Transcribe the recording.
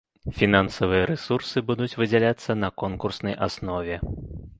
Фінансавыя рэсурсы будуць выдзяляцца на конкурснай аснове.